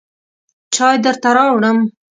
چای درته راوړم.